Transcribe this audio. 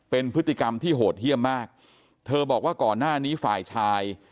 เป็นพฤติกรรมที่โหดเยี่ยมมากเธอบอกว่าก่อนหน้านี้ฝ่ายชาย